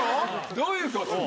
どういうこと？